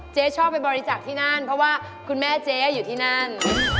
ชอบไปบริจาคที่นั่นเพราะว่าคุณแม่เจ๊อยู่ที่นั่น